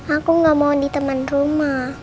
aku nggak mau di taman rumah